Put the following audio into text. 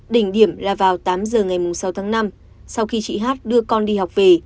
đỉnh điểm là vào tám giờ ngày sáu tháng năm sau khi chị hát đưa con đi học về